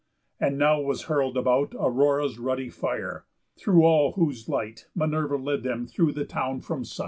And now was hurl'd about Aurora's ruddy fire; through all whose light Minerva led them through the town from sight.